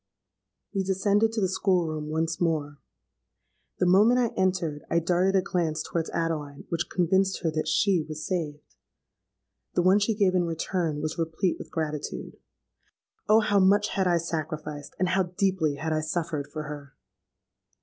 "We descended to the school room once more. The moment I entered I darted a glance towards Adeline which convinced her that she was saved. The one she gave in return was replete with gratitude. Oh! how much had I sacrificed, and how deeply had I suffered for her!